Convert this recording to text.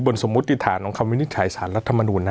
บนสมมุติฐานของความวินิจฉายสารรัฐธรรมนูญนะ